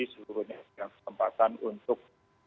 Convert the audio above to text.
seluruhnya yang ada kesempatan untuk